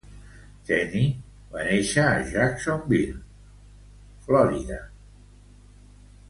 Chaney va néixer a Jacksonville, Florida.